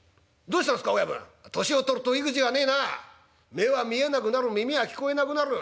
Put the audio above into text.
目は見えなくなる耳は聞こえなくなる。